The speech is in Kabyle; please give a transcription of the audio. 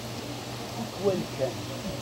Tikwal kan.